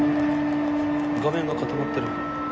画面が固まってる